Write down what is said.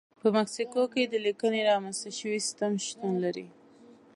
په مکسیکو کې د لیکنې رامنځته شوی سیستم شتون لري.